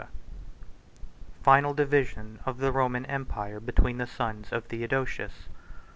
Final Division Of The Roman Empire Between The Sons Of Theodosius.